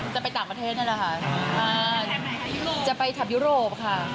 จะไปต่างประเทศได้หรอกค่ะไปทับยุโรปค่ะ